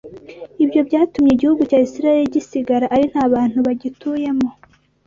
Ibyo byatumye igihugu cya Isirayeli gisigara ari nta bantu bagituyemo